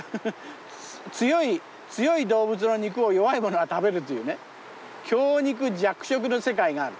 強い動物の肉を弱い者が食べるというね強肉弱食の世界がある。